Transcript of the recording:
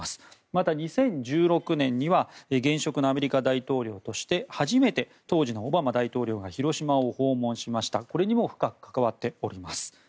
また２０１６年には現職のアメリカ大統領として初めて当時のオバマ大統領が広島を訪問しましたがこれにも深く関わっています。